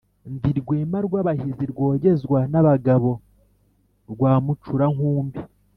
Ndi Rwema rw'abahizi, rwogezwa n'abagabo rwa mucurankumbi,